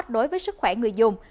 đối với sức khỏe người dùng